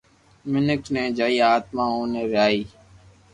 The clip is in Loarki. مينک ني جائي آتما اوبي رھئي